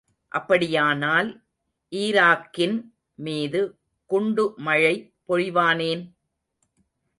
அப்படியானால் ஈராக்கின் மீது குண்டு மழை பொழிவானேன்?